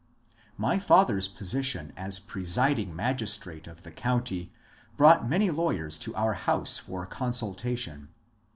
My father's position as presiding magistrate of the county brought many lawyers to our house for consultation.